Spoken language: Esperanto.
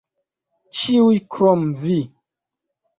Ĉiuj krom Vi.